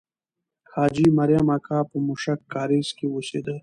حاجي مریم اکا په موشک کارېز کې اوسېده.